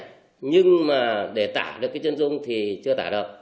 tài sản ngân mang theo có thẻ atm và trong thẻ có tiền